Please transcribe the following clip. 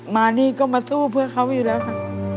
มานี่ก็มาสู้เพื่อเขาอยู่แล้วค่ะ